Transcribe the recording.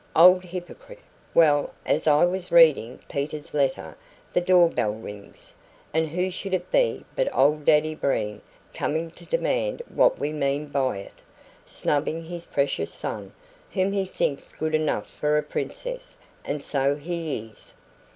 Old hypocrite! Well, as I was reading Peter's letter, the door bell rings, and who should it be but old Daddy Breen coming to demand what we mean by it, snubbing his precious son, whom he thinks good enough for a princess (and so he is).